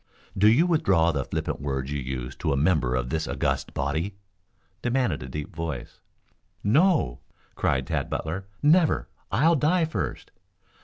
"Do you withdraw the flippant words you used to a member of this august body?" demanded a deep voice. "No!" cried Tad Butler. "Never! I'll die first!"